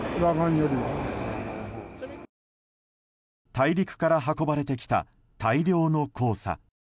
大陸から運ばれてきた大量の黄砂。